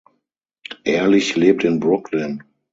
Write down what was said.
Ehrlich lebt in Brooklyn.